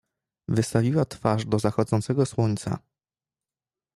Wystawiła twarz do zachodzącego słońca.